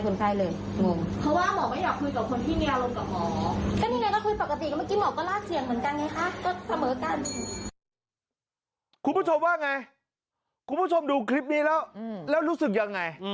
คุณผู้ชมว่าไงคุณผู้ชมดูคลิปนี้แล้วแล้วรู้สึกยังไง